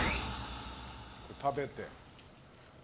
食べて。